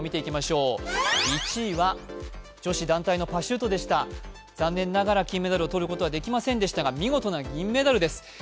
１位は女子団体のパシュートでした残念ながら金メダルを取ることができませんでしたが、見事な銀メダルです。